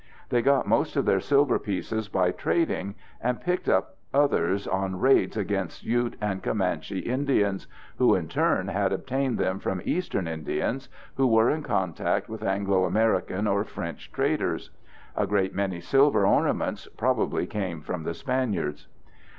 They got most of their silver pieces by trading, and picked up others on raids against Ute and Commanche Indians, who in turn had obtained them from eastern Indians who were in contact with Anglo American or French traders. A great many silver ornaments probably came from the Spaniards.